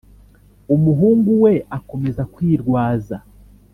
umuhungu we akomeza kwirwaza.